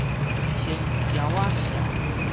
清撬仔數